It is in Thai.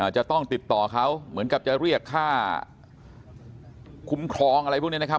จะต้องติดต่อเขาเหมือนกับจะเรียกค่าคุ้มครองอะไรพวกนี้นะครับ